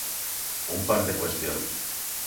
Un par de cuestións.